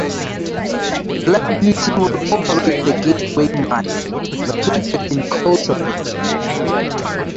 Black Beauty will operate the Gateway Mine, located in Coulterville.